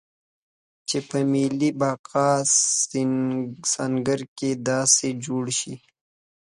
چې په ملي بقا سنګر کې داسې جوړ شي.